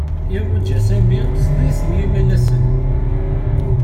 Iruja Sami sḍis n yimalasen.